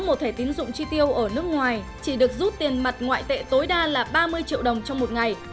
một thẻ tín dụng chi tiêu ở nước ngoài chỉ được rút tiền mặt ngoại tệ tối đa là ba mươi triệu đồng trong một ngày